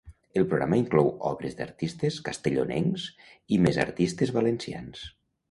El programa inclou obres d’artistes castellonencs i més artistes valencians.